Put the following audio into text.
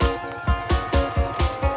dunia ini lekus yuk abel